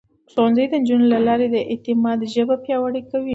ښوونځی د نجونو له لارې د اعتماد ژبه پياوړې کوي.